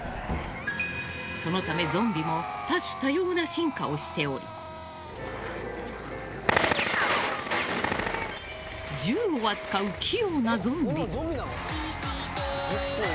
そのため、ゾンビも多種多様な進化をしており銃を扱う器用なゾンビ。